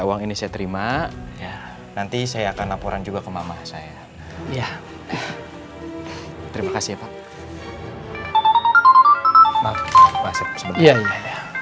uang ini saya terima ya nanti saya akan laporan juga ke mama saya ya terima kasih pak maaf iya iya